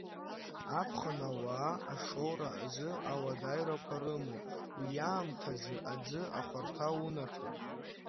Аԥхын ауаа ашоура азы ауадаҩрақәа рымоуп, уи аамҭазы аӡы ахәарҭа унаҭоит.